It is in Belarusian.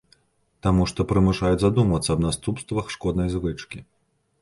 Таму што прымушаюць задумвацца аб наступствах шкоднай звычкі.